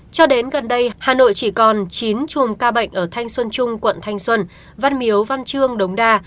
cho đến gần đây hà nội chỉ còn chín chùm ca bệnh ở thanh xuân trung quận thanh xuân văn miếu văn trương đống đa